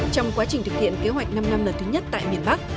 trong quá trình thực hiện kế hoạch năm năm lần thứ nhất tại miền bắc